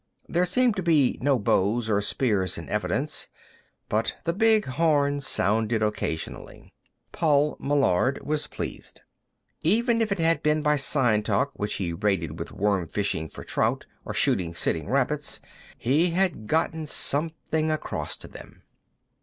There seemed to be no bows or spears in evidence, but the big horn sounded occasionally. Paul Meillard was pleased. Even if it had been by sign talk, which he rated with worm fishing for trout or shooting sitting rabbits, he had gotten something across to them.